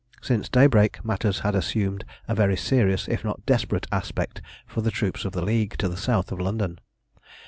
Since daybreak matters had assumed a very serious, if not desperate aspect for the troops of the League to the south of London.